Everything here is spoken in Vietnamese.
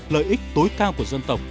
lợi ích tối cao của dân tộc